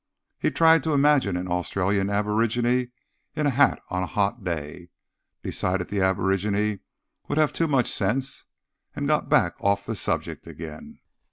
He tried to imagine an Australian aborigine in a hat on a hot day, decided the aborigine would have too much sense, and got back off the subject again.